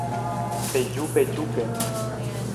Pejupejúke